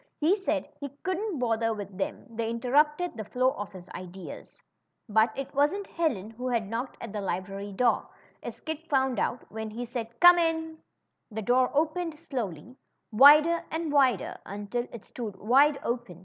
He said he couldn't bother with them ; they interrupted the flow of his ideas. But it wasn't Helen who had knocked at the library door, as Kit found out when he said, Come in !" The door opened slowly, wider and wider, until it stood wide open.